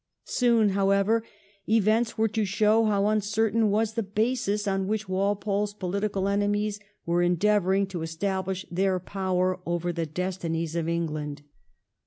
Soon, however, events were to show how uncertain was the basis on which Walpole's political enemies were endeavouring to establish their power over the destinies of England.